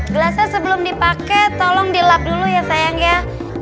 gelasnya sebelum dipake tolong dilap dulu ya sayangnya